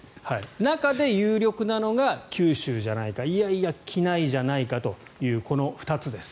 中で、有力なのが九州じゃないかいやいや畿内じゃないかというこの２つです。